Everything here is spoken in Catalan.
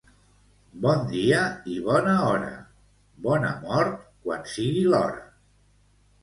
Bon dia i bona hora, bona mort quan sigui l'hora.